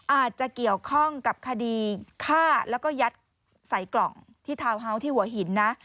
อาจจะเกี่ยวข้องกับคดีฆ่าแล้วก็ยัดใส่กล่องที่ทาวน์เฮาส์ที่หัวหินนะ